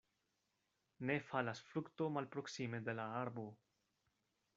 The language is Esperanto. Ne falas frukto malproksime de la arbo.